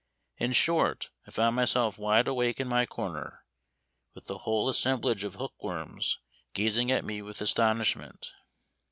In short, I found myself wide awake in my corner, with the whole assemblage of hookworms gazing at me with astonishment.